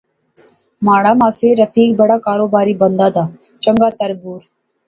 مہاڑا ماسیر رفیق بڑا کاروباری بندہ دا۔ چنگا تر بور